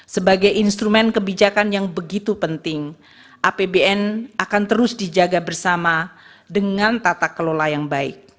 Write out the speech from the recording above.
sebagai instrumen kebijakan yang begitu penting apbn akan terus dijaga bersama dengan tata kelola yang baik